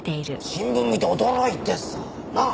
新聞見て驚いてさなあ？